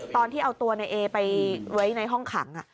ตอนที่เอาตัวในเอไปไว้ในห้องขัง